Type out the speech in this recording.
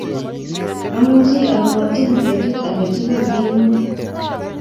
Amuchi aruotyin petut age tugul kemoi